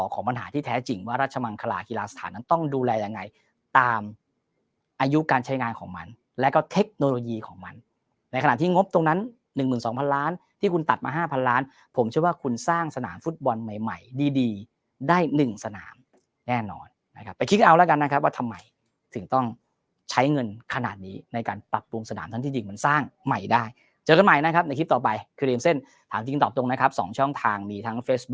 ของปัญหาที่แท้จริงว่ารัชมังคลาศาสตร์ต้องดูแลยังไงตามอายุการใช้งานของมันแล้วก็เทคโนโลยีของมันในขณะที่งบตรงนั้น๑๒๐๐๐ล้านที่คุณตัดมา๕๐๐๐ล้านผมเชื่อว่าคุณสร้างสนามฟุตบอลใหม่ดีได้หนึ่งสนามแน่นอนนะครับไปคิดเอาแล้วกันนะครับว่าทำไมถึงต้องใช้เงินขนาดนี้ในการปรับปรุงสนามท